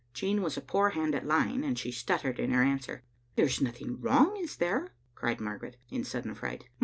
Jean was a poor hand at lying, and she stuttered in her answer. " There is nothing wrong, is there?" cried Margaret, in sudden fright.